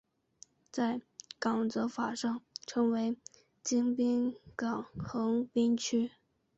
在港则法上称为京滨港横滨区。